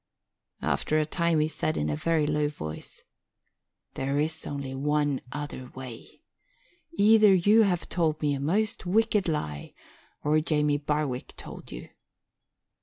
After a time he said in a very low voice, "There is only one other way. Either you have told me a most wicked lie or Jamie Barwick told you."